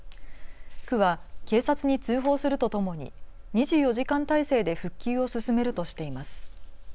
区は警察に通報するとともに２４時間体制で復旧を進めるとしています。